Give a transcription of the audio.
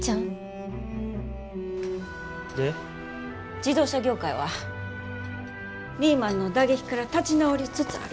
自動車業界はリーマンの打撃から立ち直りつつある。